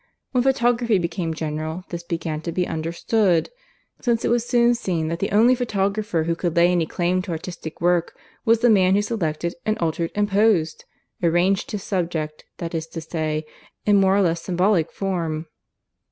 When photography became general, this began to be understood; since it was soon seen that the only photographer who could lay any claim to artistic work was the man who selected and altered and posed arranged his subject, that is to say, in more or less symbolic form.